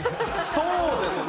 そうですね。